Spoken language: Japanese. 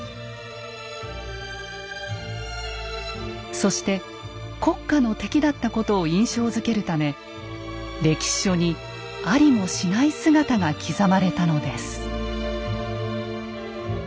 そして「国家の敵」だったことを印象づけるため歴史書にありもしない姿が刻まれたのです。